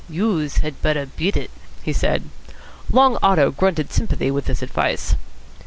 "Youse had better beat it," he said. Long Otto grunted sympathy with this advice.